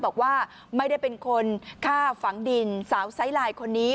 บอกว่าไม่ได้เป็นคนฆ่าฝังดินสาวไซส์ลายคนนี้